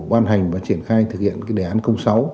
quan hành và triển khai thực hiện đề án sáu